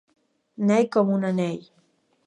Net com un anell.